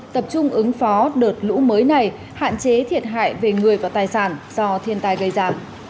tập trung ứng phó đợt lũ mới này hạn chế thiệt hại về người và tài sản do thiên tai gây ra